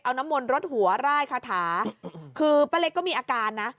เอาน้ำมนต์รดหัวร่ายคาถาคือป้าเล็กก็มีอาการนะ